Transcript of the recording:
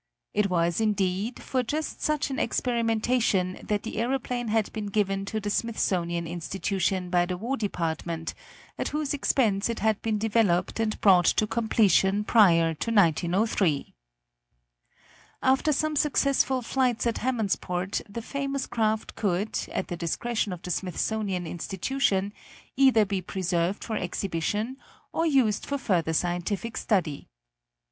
It was, indeed, for just such experimentation that the aeroplane had been given to the Smithsonian Institution by the War Department, at whose expense it had been developed and brought to completion prior to 1903. After some successful flights at Hammondsport the famous craft could, at the discretion of the Smithsonian Institution, either be preserved for exhibition or used for further scientific study.